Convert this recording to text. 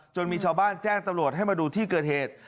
มีชาวบ้านแจ้งตำรวจให้มาดูที่เกิดเหตุ